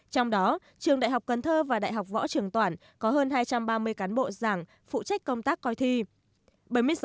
trong đó trường đại học cần thơ và đại học võ trường toản có hơn hai trăm ba mươi cán bộ giảng phụ trách công tác coi thi